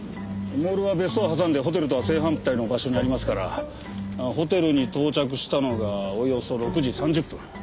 モールは別荘を挟んでホテルとは正反対の場所にありますからホテルに到着したのがおよそ６時３０分。